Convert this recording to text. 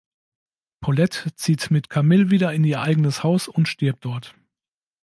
Paulette zieht mit Camille wieder in ihr eigenes Haus und stirbt dort.